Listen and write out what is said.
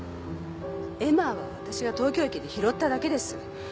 絵馬は私が東京駅で拾っただけです。